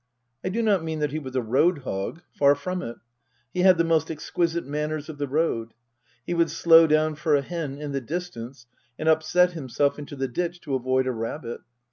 I do not mean that he was a road hog ; far from it. He had the most exquisite manners of the road. He would slow down for a hen in the distance and upset himself into the ditch to avoid a rabbit.